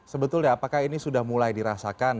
sebetulnya apakah ini sudah mulai dirasakan